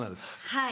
はい。